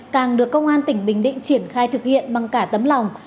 càng được công an tỉnh bình định triển khai thực hiện bằng cả tấm lòng